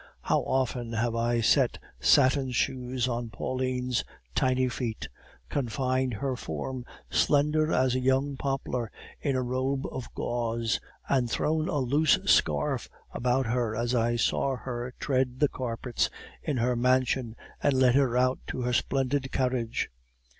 "How often have I set satin shoes on Pauline's tiny feet, confined her form, slender as a young poplar, in a robe of gauze, and thrown a loose scarf about her as I saw her tread the carpets in her mansion and led her out to her splendid carriage!